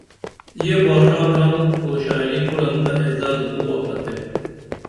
یہ باݜا کرم او شاعری کُرنتہ اعزاز مُوہ پرتیب